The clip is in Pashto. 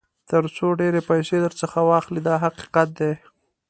تر څو ډېرې پیسې درڅخه واخلي دا حقیقت دی.